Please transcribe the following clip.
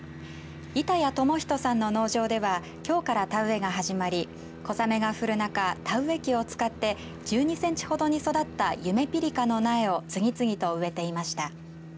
板谷智徳さんの農場ではきょうから田植えが始まり小雨が降る中、田植え機を使って１２センチほどに育ったゆめぴりかの苗を次々と植えていました。